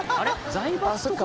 財閥とか。